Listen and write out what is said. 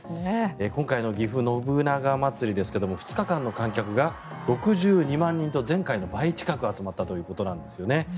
今回のぎふ信長まつりですけども２日間の観客が６２万人と前回の倍近く集まったということなんですよね。